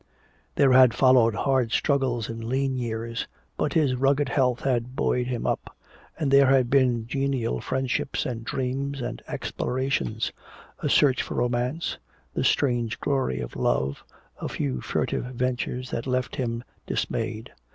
There had followed hard struggles in lean years, but his rugged health had buoyed him up. And there had been genial friendships and dreams and explorations, a search for romance, the strange glory of love, a few furtive ventures that left him dismayed.